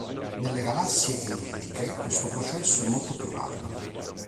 Nelle galassie ellittiche questo processo è molto più rapido.